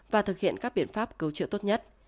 và thực hiện các biện pháp cấu trị tốt nhất